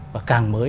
và càng mới